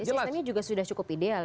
jadi ini juga sudah cukup ideal